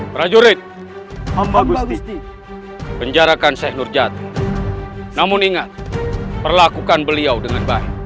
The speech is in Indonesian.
prajurit hamba gusti penjarakan syekh nurjati namun ingat perlakukan beliau dengan baik